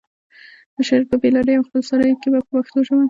بشریت په بې لارۍ او خپل سرویو کې و په پښتو ژبه.